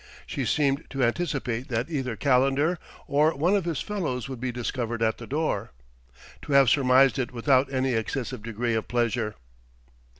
She seemed to anticipate that either Calendar or one of his fellows would be discovered at the door, to have surmised it without any excessive degree of pleasure.